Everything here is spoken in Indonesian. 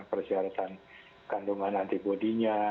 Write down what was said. persyaratan kandungan antibody nya